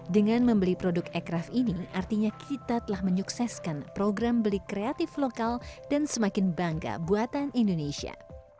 dengan membeli produk ekraf ini artinya kita telah menyukseskan program beli kreatif lokal dan semakin bangga buatan indonesia